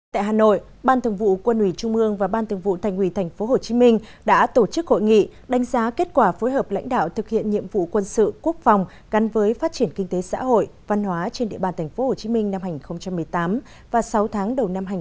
tại hà nội ban thường vụ quân ủy trung ương và ban thường vụ thành ủy tp hcm đã tổ chức hội nghị đánh giá kết quả phối hợp lãnh đạo thực hiện nhiệm vụ quân sự quốc phòng gắn với phát triển kinh tế xã hội văn hóa trên địa bàn tp hcm năm hai nghìn một mươi tám và sáu tháng đầu năm hai nghìn một mươi chín